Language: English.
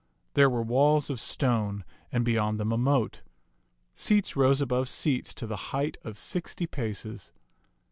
There were walls of stone, and beyond them a moat. Seats rose above seats to the height of sixty paces.